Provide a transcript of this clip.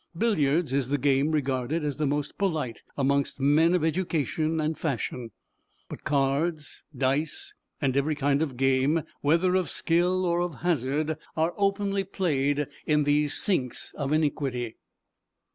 Billiards is the game regarded as the most polite amongst men of education and fashion; but cards, dice and every kind of game, whether of skill or of hazard, are openly played in these sinks of iniquity.